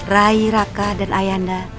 rai raka dan ayanda